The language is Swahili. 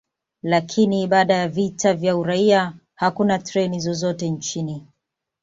Lakini baada ya vita vya uraia, hakuna treni zozote nchini.